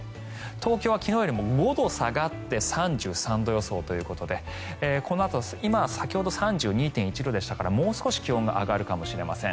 東京は昨日よりも５度下がって３３度予想ということでこのあと、先ほど３２．１度でしたからもう少し気温が上がるかもしれません。